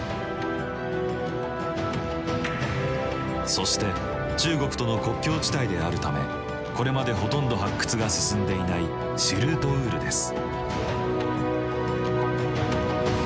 そして中国との国境地帯であるためこれまでほとんど発掘が進んでいないシルートウールです。